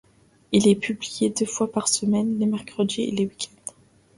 Il est publié deux fois par semaine, les mercredis et les week-ends.